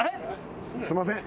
すんません。